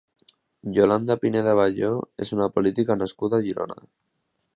Iolanda Pineda Balló és una política nascuda a Girona.